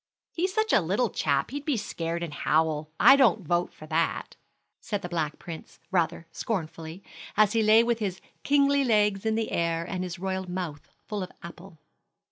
"He's such a little chap he'd be scared and howl. I don't vote for that," said the Black Prince, rather scornfully, as he lay with his kingly legs in the air, and his royal mouth full of apple.